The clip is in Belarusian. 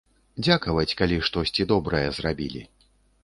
Дзякаваць, калі штосьці добрае зрабілі.